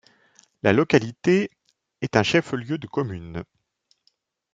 La localité est un chef-lieu de commune.